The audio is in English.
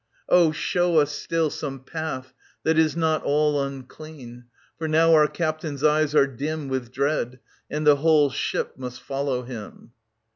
Oh, show us still some path that is not all Unclean ; for now our captain's eyes are dim With dread, and the whole ship must follow him.